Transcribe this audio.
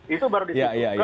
itu baru di situ